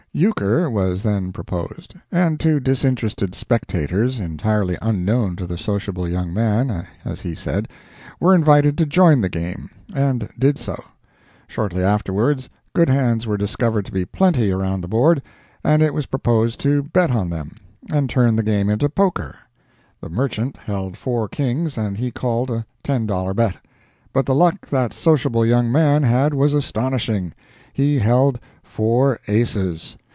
Euchre was then proposed, and two disinterested spectators, entirely unknown to the sociable young man—as he said—were invited to join the game, and did so. Shortly afterwards, good hands were discovered to be plenty around the board, and it was proposed to bet on them, and turn the game into poker. The merchant held four kings, and he called a ten dollar bet; but the luck that sociable young man had was astonishing—he held four aces!